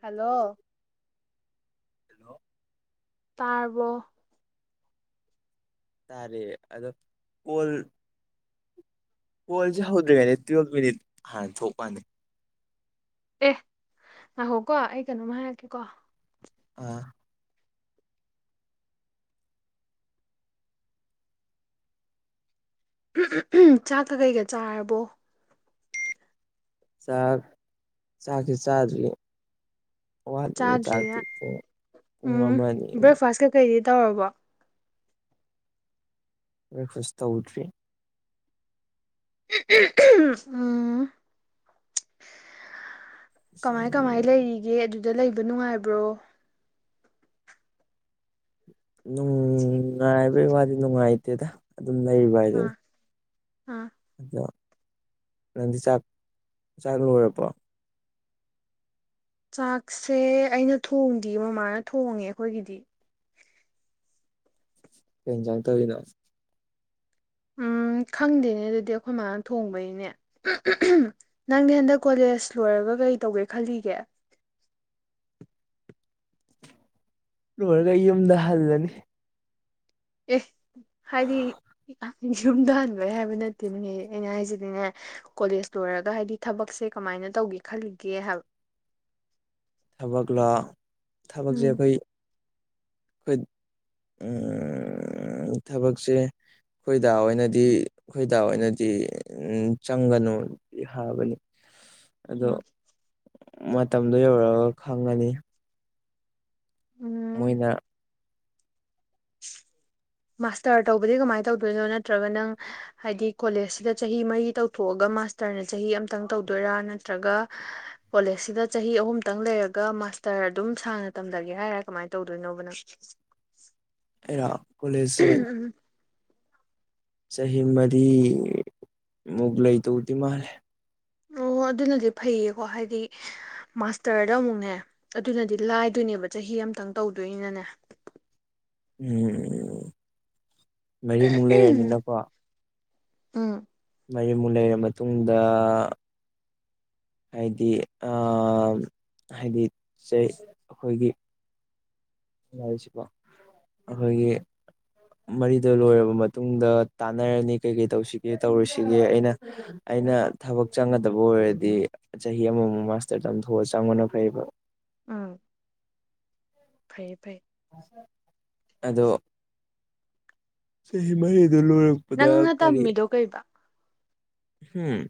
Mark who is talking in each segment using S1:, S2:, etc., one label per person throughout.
S1: hello
S2: hello
S1: ꯇꯥꯔꯕꯣ
S2: ꯇꯥꯔꯦ ꯑꯗꯣ ꯀꯣꯜ ꯀꯣꯜꯁꯦ ꯍꯧꯗ꯭ꯔꯤꯉꯩꯗ ꯇꯨꯌꯦꯜꯞ ꯃꯤꯅꯤꯠ ꯍꯥꯟꯅ ꯊꯣꯛꯄꯅꯤ
S1: ꯑꯦ ꯉꯥꯏꯍꯣꯀꯣ ꯑꯩ ꯀꯩꯅꯣꯝꯃ ꯍꯥꯏꯔꯛꯀꯦꯀꯣ
S2: ꯎꯝ
S1: ꯆꯥꯛꯀ ꯀꯩꯀ ꯆꯥꯔꯕꯣ
S2: ꯆꯥꯛ ꯆꯥꯛꯁꯤꯦ ꯆꯥꯗ꯭ꯔꯤ ꯋꯥꯠꯂꯤ
S1: ꯆꯥꯗ꯭ꯔꯤꯌꯦ
S2: ꯆꯥꯛꯇꯤ ꯄꯨꯡ ꯑꯃꯥ ꯑꯅꯤꯃꯨꯛ
S1: ꯀꯩꯗꯤ ꯇꯧꯔꯕꯣ
S2: ꯕ꯭ꯔꯦꯛꯐꯁ ꯇꯧꯗ꯭ꯔꯤ
S1: ꯎꯝ ꯀꯃꯥꯏ ꯀꯃꯥꯏ ꯂꯩꯔꯤꯒꯦ ꯑꯗꯨꯗ ꯂꯩꯕ ꯅꯨꯡꯉꯥꯏꯕ꯭ꯔꯣ
S2: ꯅꯨꯡꯉꯥꯏꯕꯩ ꯋꯥꯗꯤ ꯅꯨꯡꯉꯥꯏꯇꯦꯗ ꯑꯗꯨꯝ ꯂꯩꯔꯤꯕ ꯍꯥꯏꯗꯨꯅꯤ
S1: ꯑꯥ ꯑꯥ
S2: ꯑꯗꯣ ꯅꯪꯗꯤ ꯆꯥꯛ ꯆꯥꯛ ꯂꯣꯏꯔꯕꯣ
S1: ꯆꯥꯛꯁꯦ ꯑꯩꯅ ꯊꯣꯡꯗꯦ ꯃꯃꯥꯅ ꯊꯣꯡꯉꯦ ꯑꯩꯈꯣꯏꯒꯤꯗꯤ
S2: ꯀꯦꯟꯁꯥꯡ ꯇꯧꯕꯤꯅ
S1: ꯎꯝ ꯈꯪꯗꯦꯅꯦ ꯑꯗꯨꯗꯤ ꯑꯩꯈꯣꯏ ꯃꯥꯅ ꯊꯣꯡꯕꯩꯅꯦ ꯅꯪꯗꯤ ꯍꯟꯗꯛ ꯀꯣꯂꯦꯁ ꯂꯣꯏꯔꯒ ꯀꯔꯤ ꯇꯧꯒꯦ ꯈꯜꯂꯤꯒꯦ
S2: ꯂꯣꯏꯔꯒ ꯌꯨꯝꯗ ꯍꯜꯂꯅꯤ
S1: ꯑꯦ ꯍꯥꯏꯗꯤ ꯌꯨꯝꯗ ꯍꯟꯕꯩ ꯍꯥꯏꯕ ꯅꯠꯇꯦꯅꯤꯅꯦꯍꯦ ꯑꯩꯅ ꯍꯥꯏꯖꯤꯗꯤꯅꯦ ꯀꯣꯂꯦꯖ ꯂꯣꯏꯔꯒ ꯍꯥꯏꯗꯤ ꯊꯕꯛꯁꯦ ꯀꯃꯥꯏꯅ ꯇꯧꯒꯦ ꯈꯜꯂꯤꯒꯦ ꯍꯥꯏꯕ
S2: ꯊꯕꯒꯂ ꯊꯕꯛ
S1: ꯎꯝ
S2: ꯆꯦꯐꯩ ꯑꯩꯈꯣꯏ ꯊꯕꯛꯁꯦ ꯑꯩꯈꯣꯏꯗ ꯑꯣꯏꯅꯗꯤ ꯑꯩꯈꯣꯏꯗ ꯑꯣꯏꯅꯗꯤ ꯆꯪꯒꯅꯨ ꯍꯥꯏꯕꯅꯤ ꯑꯗꯣ
S1: ꯎꯝ
S2: ꯃꯇꯝꯗꯣ ꯌꯧꯔꯑꯒ ꯈꯪꯉꯅꯤ
S1: ꯎꯝ
S2: ꯃꯣꯏꯅ [inaudible]
S1: ꯃꯥꯁꯇꯔ ꯇꯧꯕꯗꯤ ꯀꯃꯥꯏꯅ ꯇꯧꯗꯣꯏꯅꯣ ꯅꯠꯇ꯭ꯔꯒ ꯅꯪ ꯍꯥꯏꯗꯤ ꯀꯣꯂꯦꯖꯁꯤꯗ ꯆꯍꯤ ꯃꯔꯤ ꯇꯧꯊꯣꯛꯑꯒ ꯃꯥꯁꯇꯔꯅ ꯆꯍꯤ ꯑꯃꯇꯪ ꯇꯧꯗꯣꯏꯔꯥ ꯅꯠꯇ꯭ꯔꯒ ꯀꯣꯂꯦꯖꯁꯤꯗ ꯆꯍꯤ ꯑꯍꯨꯝꯇꯪ ꯂꯩꯔꯒ ꯃꯥꯁꯇꯔ ꯑꯗꯨꯝ ꯁꯥꯡꯅ ꯇꯝꯂꯒꯦ ꯍꯥꯏꯔ ꯀꯃꯥꯏꯅ ꯇꯧꯗꯣꯏꯅꯣꯕꯅ [unintelligible]
S2: ꯑꯦꯔ ꯀꯂꯦꯖ
S1: ꯎꯝ
S2: ꯆꯍꯤ ꯃꯔꯤ ꯃꯨꯛ ꯂꯩꯇꯧꯗꯤ ꯃꯥꯜꯂꯦ
S1: ꯑꯣ ꯑꯗꯨꯅꯗꯤ ꯐꯩꯌꯦꯀꯣ ꯍꯥꯏꯗꯤ ꯃꯥꯁꯇꯔꯗ ꯑꯃꯨꯛꯅꯦ ꯑꯗꯨꯅꯗꯤ ꯂꯥꯏꯗꯣꯏꯅꯦꯕ ꯆꯍꯤ ꯑꯃꯇꯪ ꯇꯧꯗꯣꯏꯅꯅꯦ
S2: ꯎꯝ ꯎꯝ ꯃꯔꯤꯃꯨꯛ ꯂꯩꯔꯅꯤꯅꯀꯣ
S1: ꯎꯝ
S2: ꯃꯨ ꯂꯩꯔꯕ ꯃꯇꯨꯡꯗ ꯍꯥꯏꯗꯤ ꯑꯥ ꯍꯥꯏꯗꯤ ꯆꯩ ꯑꯩꯈꯣꯏꯒꯤ ꯍꯥꯏꯔꯤꯁꯤꯀꯣ ꯑꯩꯈꯣꯏꯒꯤ ꯃꯔꯤꯗꯣ ꯂꯣꯏꯔꯕ ꯃꯇꯨꯡꯗ ꯇꯥꯟꯅꯔꯅꯤ ꯀꯩꯀꯩ ꯇꯧꯁꯤꯒꯦ ꯇꯧꯔꯣꯏꯁꯤꯒꯦ ꯑꯩꯅ ꯑꯩꯅ ꯊꯕꯛ ꯆꯪꯒꯗꯕ ꯑꯣꯏꯔꯗꯤ ꯆꯍꯤ ꯑꯃꯃꯨꯛ ꯃꯥꯁꯇꯔ ꯇꯝꯊꯣꯛꯑ ꯆꯪꯕꯅ ꯐꯩꯕ
S1: ꯎꯝ ꯐꯩꯌꯦ ꯐꯩ
S2: ꯑꯗꯣ ꯆꯍꯤ ꯃꯔꯤꯗꯨ ꯂꯣꯏꯔꯞ
S1: ꯅꯪꯅ ꯇꯝꯃꯤꯗꯣ ꯀꯩꯕꯥ
S2: ꯍꯝ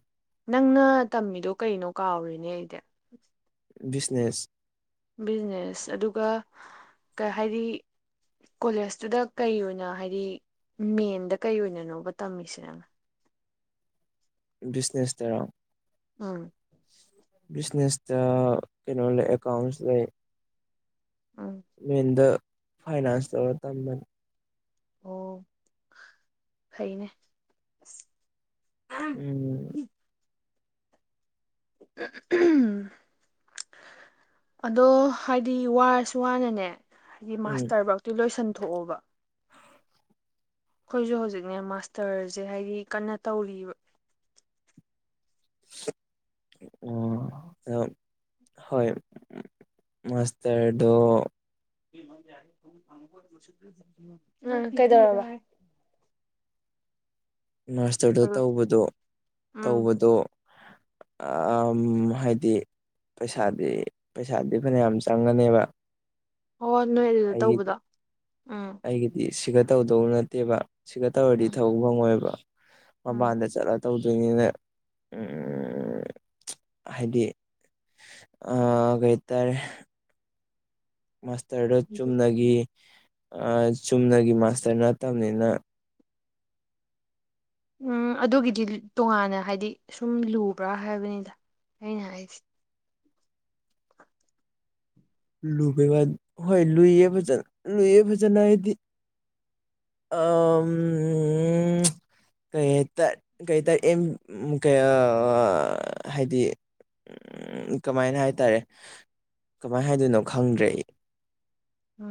S1: ꯅꯪꯅ ꯇꯝꯃꯤꯗꯣ ꯀꯩꯅꯣ ꯀꯥꯎꯔꯦꯅꯦ ꯑꯩꯗꯤ
S2: ꯕꯤꯖꯤꯅꯦꯁ
S1: ꯕꯤꯖꯤꯅꯦꯁ ꯑꯗꯨꯒ ꯀ ꯍꯥꯏꯗꯤ ꯀꯣꯂꯦꯖꯇꯨꯗ ꯀꯩ ꯑꯣꯏꯅ ꯍꯥꯏꯗꯤ ꯃꯦꯟꯗ ꯀꯩ ꯑꯣꯏꯅꯅꯣꯕ ꯇꯝꯃꯤꯁꯤꯅꯅ
S2: ꯕꯤꯖꯤꯅꯦꯁꯇꯔꯣ
S1: ꯑꯪ
S2: ꯕꯤꯖꯤꯅꯦꯁꯇ ꯀꯩꯅꯣ ꯂꯩ ꯑꯦꯀꯥꯎꯟꯁ ꯂꯩ
S1: ꯎꯝ
S2: ꯃꯦꯟꯗ ꯐꯥꯏꯅꯥꯟꯁ ꯇꯧꯔ ꯇꯝꯕꯅꯤ
S1: ꯑꯣ ꯐꯩꯅꯦ
S2: ꯎꯝ
S1: ꯎꯝ ꯑꯗꯣ ꯍꯥꯏꯗꯤ ꯋꯥꯔꯁꯨ ꯋꯥꯅꯅꯦ ꯍꯥꯏꯗꯤ
S2: ꯎꯝ
S1: ꯃꯥꯁꯇꯔꯐꯧꯇꯤ ꯂꯣꯏꯁꯟꯊꯣꯛꯑꯣꯕ ꯑꯩꯈꯣꯏꯖꯨ ꯍꯧꯖꯤꯛꯅꯦ ꯃꯥꯁꯇꯔꯖꯦ ꯍꯥꯏꯗꯤ ꯀꯟꯅ ꯇꯧꯔꯤꯕ
S2: ꯑꯣ ꯑ ꯍꯣꯏ ꯃꯁꯔꯗꯣ
S1: ꯎꯝ ꯀꯩꯗꯧꯔꯕ
S2: ꯃꯥꯁꯇꯔꯗ ꯇꯧꯕꯗꯣ
S1: ꯎꯝ
S2: ꯇꯧꯕꯗꯣ ꯑꯥꯑꯝ ꯍꯥꯏꯗꯤ ꯄꯩꯁꯥꯗꯤ ꯄꯩꯁꯥꯗꯤ ꯐꯅꯌꯥꯝ ꯆꯪꯉꯅꯦꯕ
S1: ꯑꯣꯅ
S2: ꯑꯩꯒꯤꯗꯤ ꯑꯩꯒꯤꯗꯤ ꯁꯤꯒ ꯇꯧꯗꯧ ꯅꯠꯇꯦꯕ ꯁꯤꯒ ꯇꯧꯔꯗꯤ
S1: ꯎꯝ
S2: ꯊꯧ ꯈꯪꯉꯣꯏꯕ
S1: ꯎꯝ
S2: ꯃꯄꯥꯟꯗ ꯆꯠꯂ ꯇꯧꯗꯣꯏꯅꯤꯅꯦ ꯎꯝ ꯎ ꯎ ꯍꯥꯏꯗꯤ ꯑꯥ ꯀꯩ ꯍꯥꯏꯇꯥꯔꯦ ꯃꯥꯁꯇꯔꯗꯣ ꯆꯨꯝꯅꯒꯤ ꯆꯨꯝꯅꯒꯤ ꯃꯥꯁꯇꯔ ꯅꯠꯇꯕꯅꯤꯅ
S1: ꯎꯝ ꯑꯗꯨꯒꯤꯗꯤ ꯇꯣꯉꯥꯟꯅ ꯍꯥꯏꯗꯤ ꯁꯨꯝ ꯂꯨꯕ꯭ꯔꯥ ꯍꯥꯏꯕꯅꯤꯗ ꯑꯩꯅ ꯍꯥꯏꯁꯤ
S2: ꯂꯨꯕꯩ ꯋꯥ ꯍꯣꯏ ꯂꯨꯏꯌꯦ ꯐꯖꯅ ꯂꯨꯏꯦ ꯐꯖꯅ ꯍꯥꯏꯗꯤ ꯑꯥ ꯎꯝ ꯀꯩꯍꯥꯏ ꯇꯥꯏ ꯀꯩꯇꯥꯏ ꯑꯥꯝ ꯑꯥ ꯍꯥꯏꯗꯤ ꯎꯝ ꯀꯃꯥꯏꯅ ꯍꯥꯏꯇꯥꯔꯦ ꯀꯃꯥꯏꯅ ꯍꯥꯏꯗꯅꯣ ꯈꯪꯗ꯭ꯔꯦ
S1: ꯑ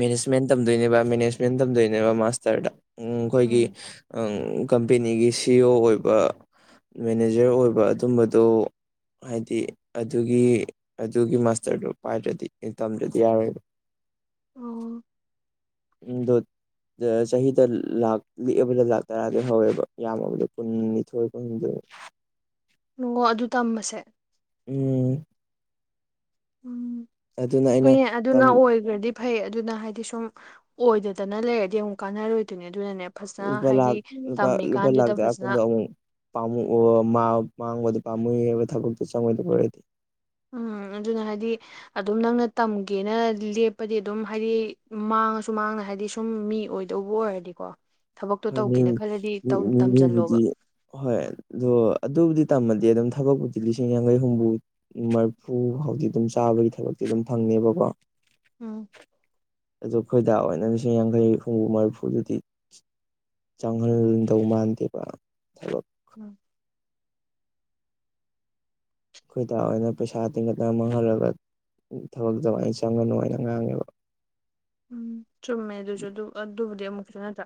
S2: ꯃꯦꯅꯦꯖꯃꯦꯟ ꯇꯝꯗꯣꯏꯅꯦꯕ ꯃꯦꯅꯦꯖꯃꯦꯟ ꯇꯝꯗꯣꯏꯅꯦꯕ ꯃꯥꯁꯇꯔꯗ ꯑꯩꯈꯣꯏꯒꯤ
S1: ꯎꯝ
S2: ꯀꯝꯄꯦꯅꯤꯒꯤ ꯁꯤ ꯑꯣ ꯑꯣꯏꯕ ꯃꯦꯅꯦꯖꯔ ꯑꯣꯏꯕ ꯑꯗꯨꯝꯕꯗꯨ ꯍꯥꯏꯗꯤ ꯑꯗꯨꯒꯤ ꯑꯗꯨꯒꯤ ꯃꯥꯁꯇꯔꯗꯨꯣ ꯄꯥꯏꯗ꯭ꯔꯗꯤ ꯇꯝꯗ꯭ꯔꯗꯤ ꯌꯥꯔꯣꯏꯕ
S1: ꯑꯣ
S2: ꯎꯝ ꯗ ꯑ ꯆꯍꯤꯗ ꯂꯥꯛ ꯄꯤꯛꯑꯕꯗ ꯂꯥꯛ ꯇꯔꯥꯗꯩ ꯍꯧꯋꯦꯕ ꯌꯥꯝꯃꯕꯗ ꯀꯨꯟꯅꯤꯊꯣꯏ ꯀꯨꯟꯍꯨꯝꯗꯣꯏ
S1: ꯅꯣꯡꯉꯣ ꯑꯗꯨ ꯇꯝꯕꯁꯦ
S2: ꯎꯝ
S1: ꯎꯝ
S2: ꯑꯗꯨꯅ ꯑꯩꯅ
S1: ꯍꯣꯏꯅꯦ
S2: ꯇꯝ
S1: ꯑꯗꯨꯅ ꯑꯣꯏꯒ꯭ꯔꯗꯤ ꯐꯩ ꯑꯗꯨꯅ ꯍꯥꯏꯗꯤ ꯁꯨꯝ ꯑꯣꯏꯗꯗꯅ ꯂꯩꯔꯗꯤ ꯑꯃꯨꯛ ꯀꯥꯟꯅꯔꯣꯏꯗꯣꯏꯅꯤ ꯑꯗꯨꯅꯅꯦ ꯐꯖꯅ
S2: ꯂꯨꯄꯥ
S1: ꯍꯥꯏꯗꯤ
S2: ꯂꯥꯛꯈ ꯂꯨꯄꯥ ꯂꯨꯄꯥ ꯂꯥꯛ
S1: ꯇꯝꯃꯤꯀꯥꯟꯗꯨꯗ ꯐꯖꯅ
S2: ꯇꯔꯥꯄꯟꯗꯣ ꯑꯃꯨꯛ ꯄꯥꯝꯨ ꯃꯥꯡꯕꯗꯤ ꯄꯥꯝꯨꯏ ꯍꯥꯏꯕ ꯊꯕꯛꯇ ꯆꯪꯉꯣꯏꯗꯔꯗꯤ
S1: ꯎꯝ ꯑꯗꯨꯅ ꯍꯥꯏꯗꯤ ꯑꯗꯨꯝ ꯅꯪꯅ ꯇꯝꯒꯦꯅ ꯂꯦꯞꯄꯗꯤ ꯑꯗꯨꯝ ꯍꯥꯏꯗꯤ ꯃꯥꯡꯉꯁꯨ ꯃꯥꯡꯅ ꯍꯥꯏꯗꯤ ꯁꯨꯝ ꯃꯤ ꯑꯣꯏ ꯗꯧꯕꯣ ꯍꯥꯏꯗꯤꯀꯣ
S2: ꯍꯧꯗꯤ
S1: ꯇꯝꯖꯜꯂꯣꯕ
S2: [inaudible] ꯍꯣꯏ ꯑꯗꯣ ꯑꯗꯨꯕꯨꯗꯤ ꯇꯝꯃꯗꯤ ꯑꯗꯨꯝ ꯊꯕꯛꯄꯨꯗꯤ ꯂꯤꯁꯤꯡ ꯌꯥꯡꯈꯩ ꯍꯣꯝꯐꯨ ꯃꯔꯐꯨ ꯐꯥꯎꯗꯤꯤ ꯑꯗꯨꯝ ꯆꯥꯕꯒꯤ ꯊꯕꯛꯇꯤ ꯑꯗꯨꯝ ꯐꯪꯅꯦꯕꯀꯣ
S1: ꯎꯝ
S2: ꯑꯗꯨꯣ ꯈꯣꯏꯗꯥ ꯑꯣꯏꯅ ꯂꯤꯁꯤꯡ ꯌꯥꯡꯈꯩ ꯍꯨꯝꯐꯨ ꯃꯔꯤꯐꯨꯗꯨꯗꯤ ꯆꯪꯍꯟꯗꯧ ꯃꯥꯟꯗꯦꯕ ꯊꯕꯛ
S1: ꯎꯝ
S2: ꯑꯩꯈꯣꯏꯗꯑꯣꯏꯅ ꯄꯩꯁꯥ ꯇꯤꯡꯒꯠꯅ ꯃꯥꯡꯍꯜꯂꯒ ꯊꯕꯛꯛꯇꯧ ꯑꯩꯅ ꯆꯪꯒꯅꯨ ꯍꯥꯏꯩꯅ ꯉꯥꯡꯉꯦꯕ
S1: ꯎꯝ ꯆꯨꯝꯃꯦ ꯑꯗꯨꯁꯨ ꯑꯗꯨ ꯑꯗꯨꯕꯨꯗꯤ ꯑꯃꯨꯛ ꯈꯤꯇꯪ ꯅꯠꯇ꯭ꯔ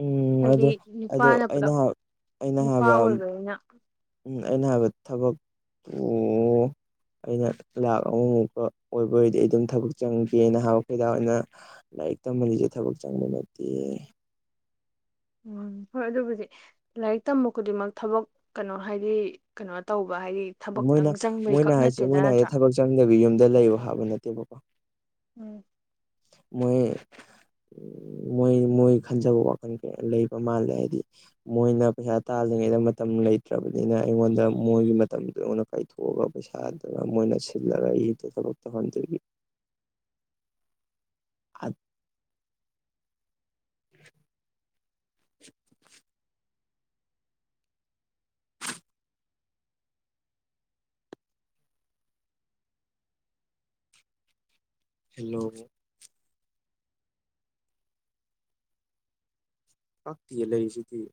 S2: ꯎꯝ
S1: ꯍꯥꯏꯗꯤ
S2: ꯑꯗꯣ ꯑꯗꯣ
S1: ꯅꯨꯄꯥꯅ
S2: ꯑꯩꯅ
S1: ꯄꯨꯂꯞ ꯅꯨꯄꯥ ꯑꯣꯏꯔꯅꯤꯅ
S2: ꯎꯝ ꯑꯩꯅ ꯍꯥꯏꯕ ꯊꯕꯛꯇꯨ ꯑꯩꯅ ꯂꯥꯛ ꯑꯍꯨꯝꯃꯨꯛꯀ ꯑꯣꯏꯕ ꯑꯣꯏꯔꯗꯤ ꯑꯩ ꯑꯗꯨꯝ ꯊꯕꯛ ꯆꯪꯒꯦꯅ ꯍꯥꯏꯕ ꯀꯩꯗ ꯑꯩꯅ ꯂꯥꯏꯔꯤꯛ ꯇꯝꯍꯜꯂꯤꯁꯦ ꯊꯕꯛ ꯆꯪꯕ ꯅꯠꯇꯦ
S1: ꯎꯝ ꯍꯣꯏ ꯑꯗꯨꯕꯨꯖꯤꯛ ꯂꯥꯏꯔꯤꯛ ꯇꯝꯕ ꯈꯨꯗꯤꯡꯃꯛ ꯊꯕꯛ ꯀꯩꯅꯣ ꯍꯥꯏꯗꯤ ꯀꯩꯅꯣ ꯇꯧꯕ ꯍꯥꯏꯗꯤ ꯊꯕꯛꯇꯪ
S2: ꯃꯣꯏꯅ
S1: ꯆꯪꯕꯩꯈꯛ
S2: ꯃꯣꯏꯅ ꯍꯥꯏꯁꯦ
S1: ꯅꯠꯇꯦꯗ
S2: ꯃꯣꯏꯅ ꯍꯥꯏꯁꯦ
S1: ꯅꯠꯇ꯭ꯔꯥ
S2: ꯊꯕꯛ ꯆꯪꯗꯕꯤ ꯌꯨꯝꯗ ꯂꯩꯌ ꯍꯥꯕ ꯅꯠꯇꯦꯕꯀꯣ
S1: ꯎꯝ
S2: ꯃꯣꯏ ꯃꯣꯏ ꯃꯣꯏ ꯈꯟꯖꯕ ꯋꯥꯈꯜ ꯀꯌꯥ ꯂꯩꯕ ꯃꯥꯜꯂꯦ ꯍꯥꯏꯗꯤ ꯃꯣꯏꯅ ꯄꯩꯁꯥ ꯇꯥꯗ꯭ꯔꯤꯉꯩꯗ ꯃꯇꯝ ꯂꯩꯇ꯭ꯔꯕꯅꯤꯅ ꯑꯩꯉꯣꯟꯗ ꯃꯣꯏꯒꯤ ꯃꯇꯝꯗꯣ ꯑꯩꯉꯣꯟ ꯀ ꯊꯣꯛꯑꯒ ꯄꯩꯁꯥꯗꯨ ꯃꯣꯏꯅ ꯁꯤꯜꯂꯒ ꯏꯗꯣ ꯊꯕꯛ ꯇꯧꯍꯟꯗꯣꯏꯒꯤ ꯑ [unintelligible] [unintelligible] ꯍꯂꯣ ꯇꯥꯛꯇꯤꯌꯦ ꯂꯩꯔꯤꯁꯤꯗꯤ